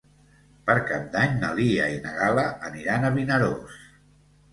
Per Cap d'Any na Lia i na Gal·la aniran a Vinaròs.